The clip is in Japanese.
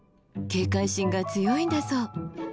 警戒心が強いんだそう。